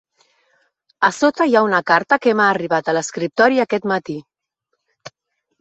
A sota hi ha una carta que m'ha arribat a l'escriptori aquest matí.